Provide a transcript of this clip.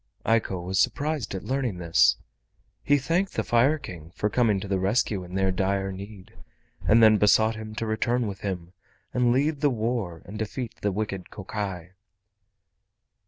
Eiko was surprised at learning this. He thanked the Fire King for coming to the rescue in their dire need, and then besought him to return with him and lead the war and defeat the wicked Kokai.